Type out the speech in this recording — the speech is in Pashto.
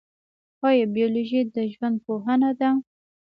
ایا بیولوژي د ژوند پوهنه ده؟